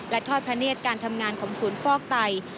และทอดพระเนธการทำงานของศูนย์ฟอกไต